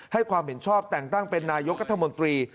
ความเห็นชอบแต่งตั้งเป็นนายกรัฐมนตรี